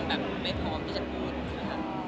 แบบไม่พร้อมที่จะพูดค่ะ